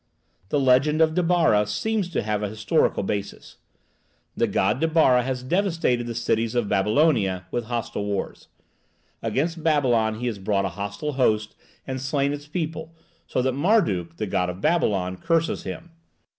The legend of Dibbarra seems to have a historical basis. The god Dibbarra has devastated the cities of Babylonia with bloody wars. Against Babylon he has brought a hostile host and slain its people, so that Marduk, the god of Babylon, curses him.